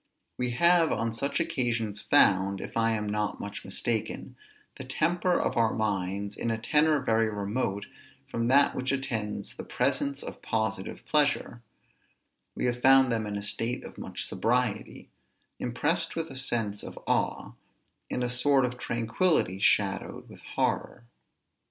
We have on such occasions found, if I am not much mistaken, the temper of our minds in a tenor very remote from that which attends the presence of positive pleasure; we have found them in a state of much sobriety, impressed with a sense of awe, in a sort of tranquillity shadowed with horror.